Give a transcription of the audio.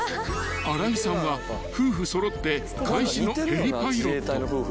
［新井さんは夫婦揃って海自のヘリパイロット］